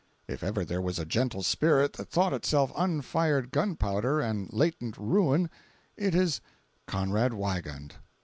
If ever there was a gentle spirit that thought itself unfired gunpowder and latent ruin, it is Conrad Wiegand.